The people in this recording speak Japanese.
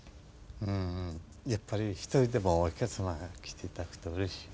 やっぱり１人でもお客様が来て頂くとうれしい。